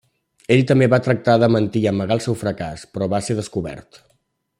Ell també va tractar de mentir i amagar el seu fracàs, però va ser descobert.